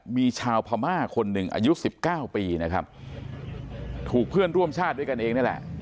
มีชาวพม่าคนหนึ่งอายุ๑๙ปีนะครับถูกเพื่อนร่วมชาติด้วยกันเองนี่แหละ